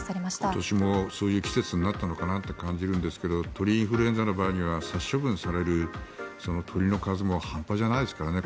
今年もそういう季節になったなって感じるんですが鳥インフルエンザの場合に殺処分される鶏の数も半端じゃないですからね。